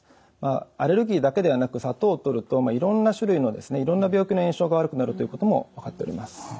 アレルギーだけではなく砂糖をとるといろんな種類のいろんな病気の炎症が悪くなるということも分かっております。